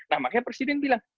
nah makanya presiden bilang